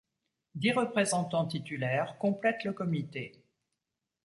Dix représentants titulaires complètent le comité.